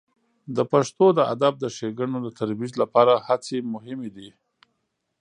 د پښتو د ادب د ښیګڼو د ترویج لپاره هڅې مهمې دي.